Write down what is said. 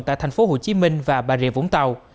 tại thành phố hồ chí minh và bà rịa vũng tàu